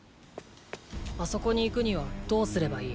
あそこに行くにはどうすればいい？